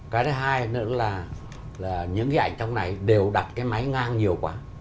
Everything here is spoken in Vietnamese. cái thứ hai nữa là những cái ảnh trong này đều đặt cái máy ngang nhiều quá